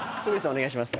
お願いします。